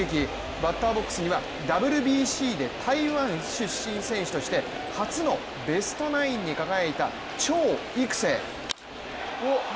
バッターボックスにはＷＢＣで台湾出身選手として初のベストナインに輝いた張育成。